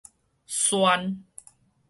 萱